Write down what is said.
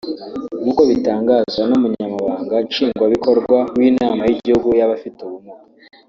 nk’uko bitangazwa n’umunyamabanga Nshingwabikorwa w’inama y’igihugu y’abafite ubumuga